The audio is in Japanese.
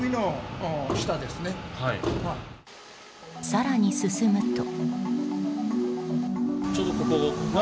更に進むと。